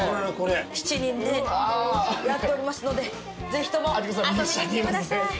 ７人でやっておりますのでぜひとも遊びに来てください。